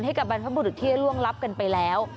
ให้กับบรรพบุรุษที่ร่วงรับกันไปแล้ว